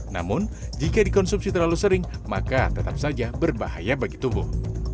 namun jika dikonsumsi terlalu sering maka tetap saja berbahaya bagi tubuh